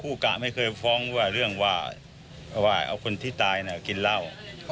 กะไม่เคยฟ้องว่าเรื่องว่าเอาคนที่ตายกินเหล้า